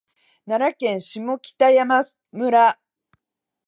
奈良県下北山村